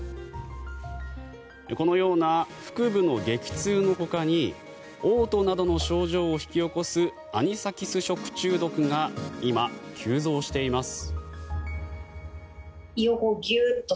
このような腹痛の激痛のほかにおう吐などの症状を引き起こすアニサキス食中毒が今、急増しています。